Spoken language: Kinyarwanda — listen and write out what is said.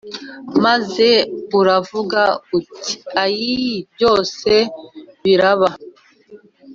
Maze uvuge uti ayii byose biraba